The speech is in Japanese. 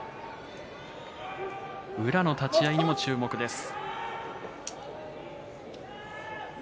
宇良の立ち合いにも注目です。